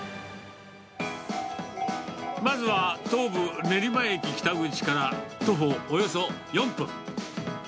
まずは東武練馬駅北口から徒歩およそ４分。